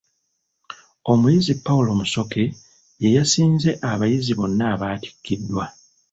Omuyizi Paul Musoke y'eyasinze abayizi bonna abaatikkiddwa.